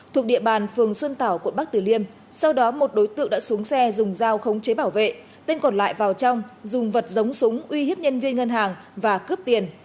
thuộc địa bàn phường xuân tảo quận bắc tử liêm sau đó một đối tượng đã xuống xe dùng dao khống chế bảo vệ tên còn lại vào trong dùng vật giống súng uy hiếp nhân viên ngân hàng và cướp tiền